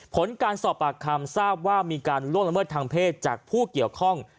ผลการสอบปากคำทราบว่ามีการล่วงละเมิดทางเพศจากผู้เกี่ยวข้อง